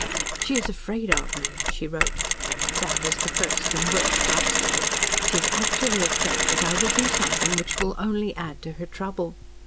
"She is afraid of me," she wrote. "That is the first and worst obstacle. She is actually afraid that I will do something which will only add to her trouble.